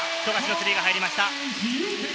今、富樫のスリーが入りました。